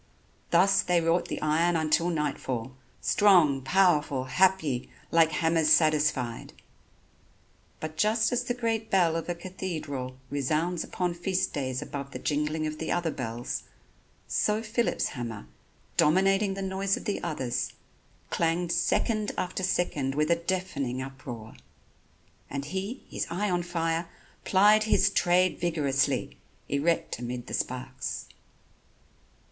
Thus they wrought the iron until nightfall, strong, powerful, happy, like hammers satisfied. But just as the great bell of a cathedral resounds upon feast days above the jingling of the other bells, so Phillip's hammer, dominating the noise of the others, clanged second after second with a deafening uproar. And he, his eye on fire, plied his trade vigorously, erect amid the sparks.